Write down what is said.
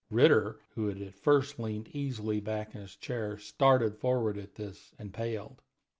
Ritter, who had at first leaned easily back in his chair, started forward at this, and paled.